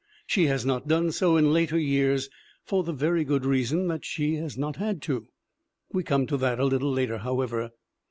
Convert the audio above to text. She has not done so in later years for the very good reason that she has not had to. We come to that a little later, however.